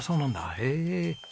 へえ。